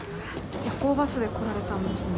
夜行バスで来られたんですね。